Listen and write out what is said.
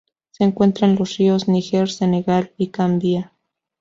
Se encuentra en los ríos Níger, Senegal y Gambia.